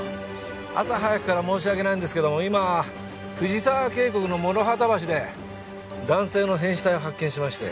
朝早くから申し訳ないんですけども今藤沢渓谷の諸畑橋で男性の変死体を発見しまして。